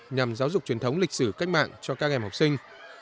nhằm giáo dục truyền thống lịch sử cách mạng cho các em học sinh